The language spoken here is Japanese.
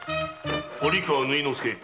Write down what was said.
堀川縫殿助。